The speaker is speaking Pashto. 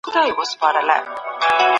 موږ په دغه کلا کي بېدېدلو.